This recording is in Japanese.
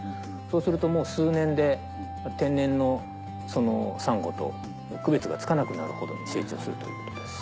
そうするともう数年で天然のサンゴと区別がつかなくなるほどに成長するということです。